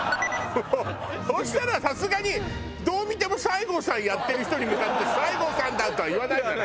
そしたらさすがにどう見ても西郷さんやってる人に向かって「西郷さんだ」とは言わないじゃない？